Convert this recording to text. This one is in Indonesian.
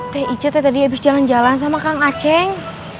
teh icu tadi habis jalan dua sama kang aceng